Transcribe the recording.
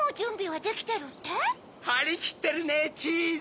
はりきってるねぇチーズ。